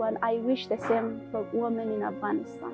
saya berharap sama seperti wanita di afganistan